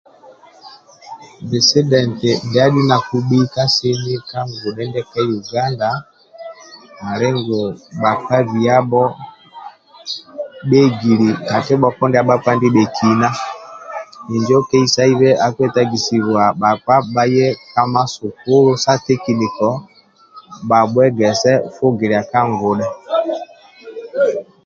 Bisidentia ndia adhu na bhakubhika ka ngudhe ndia ka Yuganda ali nti bhakpa biabho bhaegili ka kibhoko ndia bhakpa ndibhekina injo keisaibe ali nti bhakpa bhaye ka masukulu sa matekeniko bhabhuegese fugilia ka ngudhe